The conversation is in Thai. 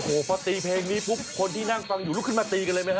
โอ้โหพอตีเพลงนี้ปุ๊บคนที่นั่งฟังอยู่ลุกขึ้นมาตีกันเลยไหมฮ